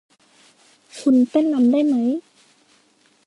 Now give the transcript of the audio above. คุณเต้นรำได้มั้ย